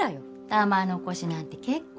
玉のこしなんて結構。